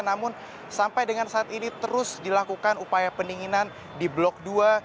namun sampai dengan saat ini terus dilakukan upaya pendinginan di blok dua